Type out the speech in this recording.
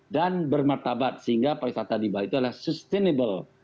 dan bermertabat sehingga pariwisata di bali itu adalah sustainable